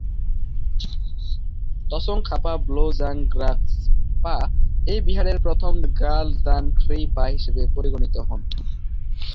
ত্সোং-খা-পা-ব্লো-ব্জাং-গ্রাগ্স-পা এই বিহারের প্রথম দ্গা'-ল্দান-খ্রি-পা হিসেবে পরিগণিত হন।